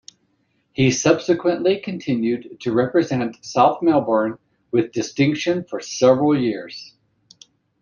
He subsequently continued to represent South Melbourne with distinction for several years.